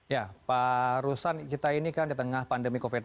ya pak ruslan kita ini kan di tengah pandemi covid sembilan belas